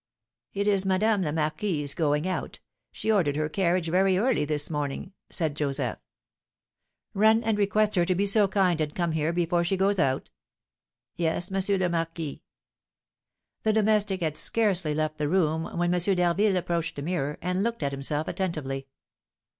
"It is Madame la Marquise going out; she ordered her carriage very early this morning," said Joseph. "Run and request her to be so kind and come here before she goes out." "Yes, M. le Marquis." The domestic had scarcely left the room when M. d'Harville approached a mirror, and looked at himself attentively.